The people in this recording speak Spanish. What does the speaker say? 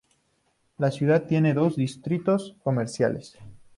La ciudad tiene dos distritos comerciales.